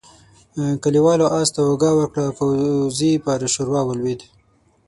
کليوالو آس ته اوږه ورکړه او پوځي پر ښوروا ولوېد.